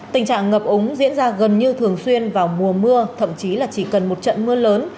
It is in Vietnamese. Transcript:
tình trạng ngập úng diễn ra gần như thường xuyên vào mùa mưa thậm chí là chỉ cần một trận mưa lớn